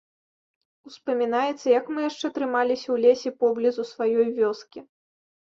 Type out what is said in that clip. Успамінаецца, як мы яшчэ трымаліся ў лесе поблізу сваёй вёскі.